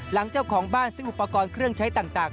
เจ้าของบ้านซื้ออุปกรณ์เครื่องใช้ต่าง